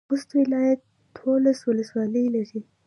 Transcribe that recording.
خوست ولایت دولس ولسوالۍ لري.